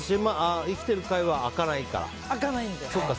生きている貝は開かないからか。